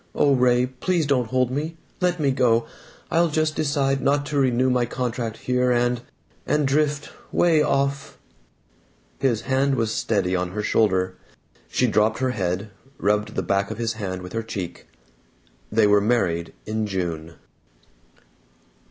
O Ray, please don't hold me. Let me go. I'll just decide not to renew my contract here, and and drift way off " His hand was steady on her shoulder. She dropped her head, rubbed the back of his hand with her cheek. They were married in June.